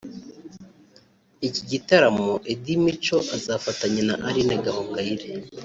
Icyi gitaramo Eddie Mico azafatanya na Aline Gahongayire